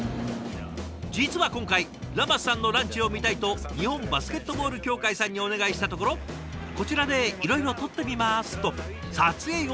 実は今回ラマスさんのランチを見たいと日本バスケットボール協会さんにお願いしたところ「こちらでいろいろ撮ってみます」と撮影を引き受けて下さったんです。